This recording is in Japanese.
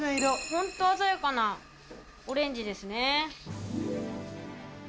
ホント鮮やかなオレンジですね。